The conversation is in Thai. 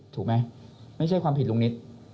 ถูกไหมไม่ใช่ความผิดลุงนิต